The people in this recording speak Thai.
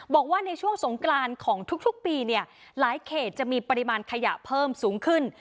บอกว่าในช่วงสงกรานของทุกปีเนี่ยหลายเขตจะมีปริมาณขยะเพิ่มสูงขึ้น